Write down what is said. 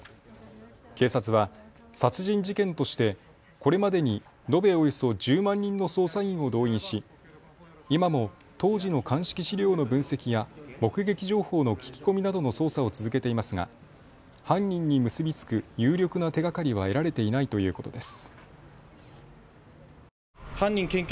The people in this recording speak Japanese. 警察は殺人事件としてこれまでに延べおよそ１０万人の捜査員を動員し今も当時の鑑識資料の分析や目撃情報の聞き込みなどの捜査を続けていますが犯人に結び付く有力な手がかりは得られていないということです。